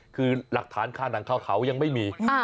คือหลักฐานฆ่านางเขายังไม่มี